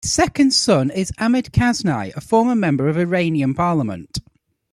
His second son is Ahmad Kashani, a former member of Iranian parliament.